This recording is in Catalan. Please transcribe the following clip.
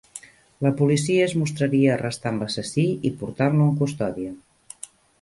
La policia es mostraria arrestant l'assassí i portant-lo en custòdia.